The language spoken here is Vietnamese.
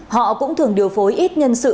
họ cũng thường điều phối ít nhân sự